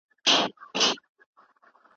که ته غواړې بریالی سې نو ډېره مطالعه وکړه.